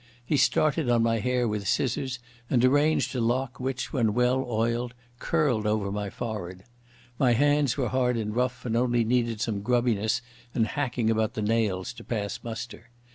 He started on my hair with scissors and arranged a lock which, when well oiled, curled over my forehead. My hands were hard and rough and only needed some grubbiness and hacking about the nails to pass muster.